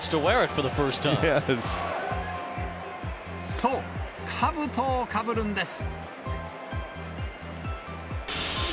そう、かぶとをかぶるんです。